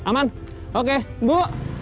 aman oke bu